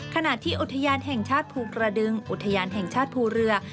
ขณะที่อุทยานแห่งชาติภูกระดึงอุทยานแห่งชาติภูเรือ